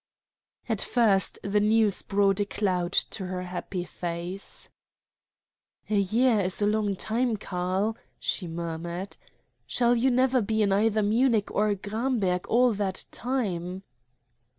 At first the news brought a cloud to her happy face. "A year is a long time, Karl," she murmured. "Shall you never be in either Munich or Gramberg all that time?"